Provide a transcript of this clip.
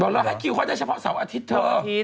เราให้คิวเขาได้เฉพาะเสาร์อาทิตย์เธอ